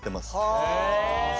へえ。